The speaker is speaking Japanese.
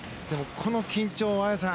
この緊張が、綾さん